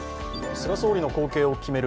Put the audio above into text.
菅総理の後継を決める